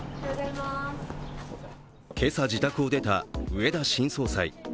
今朝自宅を出た植田新総裁。